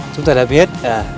chúng ta đã biết